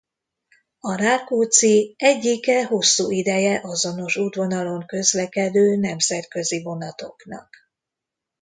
A Rákóczi egyike hosszú ideje azonos útvonalon közlekedő nemzetközi vonatoknak.